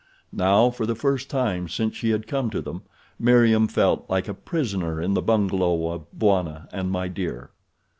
Now, for the first time since she had come to them, Meriem felt like a prisoner in the bungalow of Bwana and My Dear.